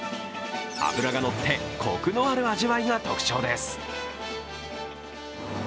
脂がのってコクのある味わいが特徴です。